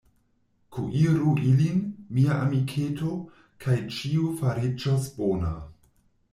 Kuiru ilin, mia amiketo, kaj ĉio fariĝos bona.